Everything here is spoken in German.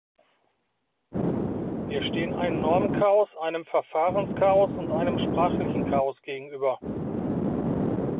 Wir stehen einem Normenchaos, einem Verfahrenschaos und einem sprachlichen Chaos gegenüber.